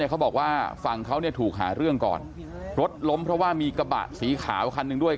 เขาบอกว่าฝั่งเขาเนี่ยถูกหาเรื่องก่อนรถล้มเพราะว่ามีกระบะสีขาวคันหนึ่งด้วย